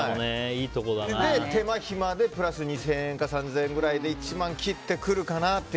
手間暇でプラス２０００円か３０００円くらいで１万切ってくるかなと。